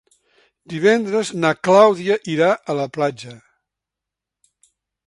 Divendres na Clàudia irà a la platja.